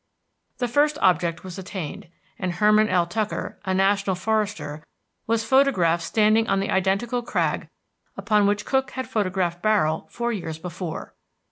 The first object was attained, and Herman L. Tucker, a national forester, was photographed standing on the identical crag upon which Cook had photographed Barrill four years before.